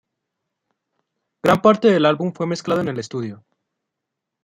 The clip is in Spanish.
Gran parte del álbum fue mezclado en el estudio.